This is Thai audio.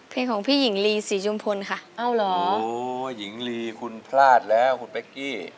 เพลงของพี่หญิงลีศรีจุมพลค่ะเอ้าเหรอโอ้หญิงลีคุณพลาดแล้วคุณเป๊กกี้